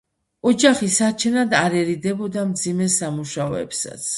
ოჯახის სარჩენად არ ერიდებოდა მძიმე სამუშაოებსაც.